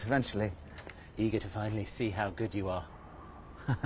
ハハハ。